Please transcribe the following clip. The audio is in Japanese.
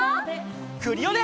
クリオネ！